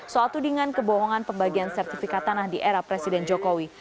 soal tudingan kebohongan pembagian sertifikat tanah di era presiden jokowi